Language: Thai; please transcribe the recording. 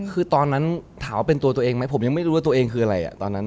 คือตอนนั้นถามว่าเป็นตัวตัวเองไหมผมยังไม่รู้ว่าตัวเองคืออะไรตอนนั้น